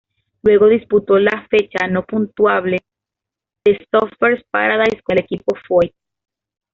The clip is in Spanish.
Luego, disputó la fecha no puntuable de Surfers Paradise con el equipo Foyt.